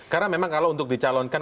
karena memang kalau untuk dicalonkan